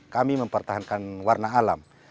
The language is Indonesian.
kami mempertahankan warna alam